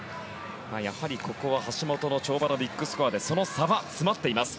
やはり、ここは橋本の跳馬のビッグスコアでその差は詰まっています。